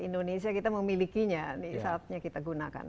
indonesia kita memilikinya saatnya kita gunakan